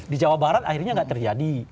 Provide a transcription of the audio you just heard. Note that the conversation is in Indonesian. di jawa barat akhirnya nggak terjadi